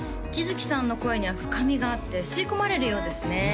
城さんの声には深みがあって吸い込まれるようですね